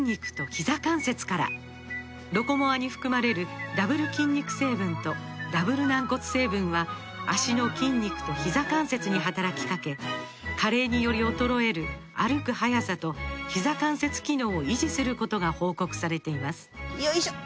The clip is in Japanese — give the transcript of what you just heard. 「ロコモア」に含まれるダブル筋肉成分とダブル軟骨成分は脚の筋肉とひざ関節に働きかけ加齢により衰える歩く速さとひざ関節機能を維持することが報告されていますよいしょっ！